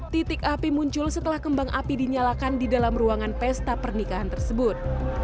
titik api muncul setelah kembang api dinyalakan di dalam ruangan pesta pernikahan tersebut